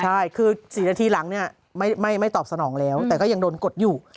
ใช่คือ๔นาทีหลังเนี่ยไม่ตอบสนองแล้วแต่ก็ยังโดนกดอยู่